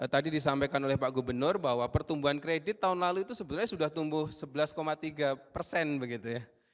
tadi disampaikan oleh pak gubernur bahwa pertumbuhan kredit tahun lalu itu sebenarnya sudah tumbuh sebelas tiga persen begitu ya